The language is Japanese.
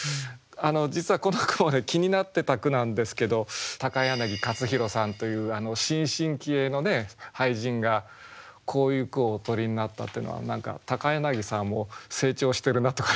実はこの句もね気になってた句なんですけど柳克弘さんという新進気鋭の俳人がこういう句をおとりになったっていうのは柳さんも成長してるなとか。